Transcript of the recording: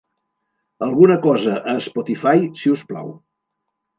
alguna cosa a Spotify, si us plau